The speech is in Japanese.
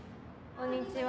こんにちは。